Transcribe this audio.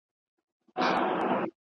وایي تم سه خاطرې دي راته وایي ..